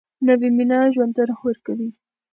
نوې مینه ژوند ته روح ورکوي